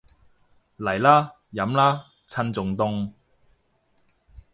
嚟啦，飲啦，趁仲凍